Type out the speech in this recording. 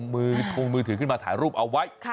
มือทงมือถือขึ้นมาถ่ายรูปเอาไว้